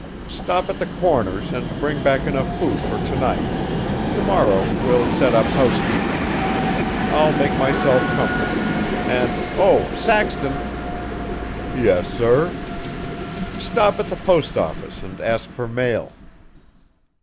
Stop at the Corners and bring back enough food for to night; to morrow we'll set up housekeeping. I'll make myself comfortable. And oh! Saxton!" "Yes, sir." "Stop at the post office and ask for mail."